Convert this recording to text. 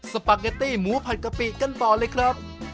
สปาเกตตี้หมูผัดกะปิกันต่อเลยครับ